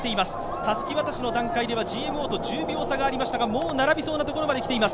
たすき渡しの段階ではＧＭＯと１０秒差がありましたがもう並びそうなところまで来ています。